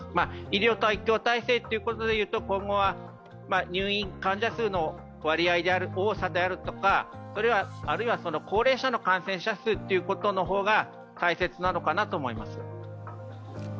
医療体制ということでいうと、今後は入院患者数の多さであるとか、あるいは高齢者の感染者数の方が大切なのかなと思います。